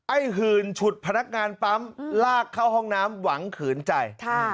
หื่นฉุดพนักงานปั๊มลากเข้าห้องน้ำหวังขืนใจ